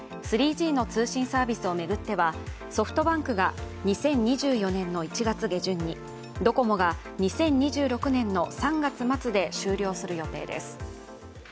３Ｇの通信サービスを巡ってはソフトバンクが２０２４年の１月下旬にドコモが２０２６年の３月末で終了する予定です。